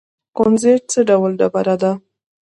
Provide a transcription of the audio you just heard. کونزیټ څه ډول ډبره ده؟